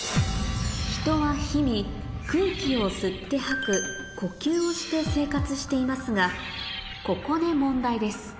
人は日々空気を吸って吐く呼吸をして生活していますがここで問題です